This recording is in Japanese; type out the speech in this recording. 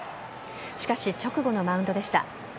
しかし、直後のマウンドでした。